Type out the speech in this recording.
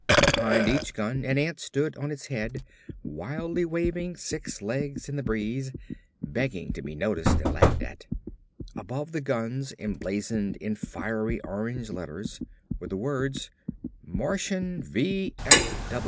Behind each gun an ant stood on its head, wildly waving six legs in the breeze, begging to be noticed and laughed at. Above the guns, emblazoned in fiery orange letters, were the words: "MARTIAN V.